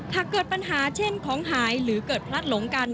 หากเกิดปัญหาเช่นของหายหรือเกิดพลัดหลงกัน